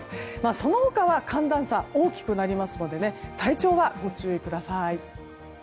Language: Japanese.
その他は寒暖差が大きくなりますので体調はご注意ください。